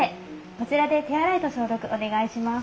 こちらで手洗いと消毒お願いします。